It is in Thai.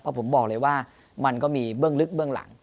ผมบอกเลยว่ามันก็มีเบื้องลึกเบื้องหลัง